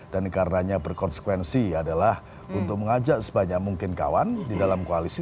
dan karenanya berkonsekuensi adalah untuk mengajak sebanyak mungkin kawan di dalam koalisi